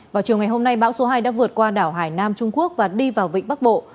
vào chiều ngày hôm nay bão số hai đã vượt qua đảo hải nam trung quốc và đi vào vịnh bắc bộ